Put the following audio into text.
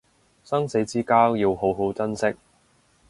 生死之交要好好珍惜